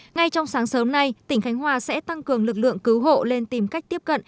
ngay trong sáng sớm nay tỉnh khánh hòa sẽ tăng cường lực lượng cứu hộ lên tìm cách tiếp cận